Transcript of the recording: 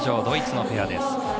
ドイツのペアです。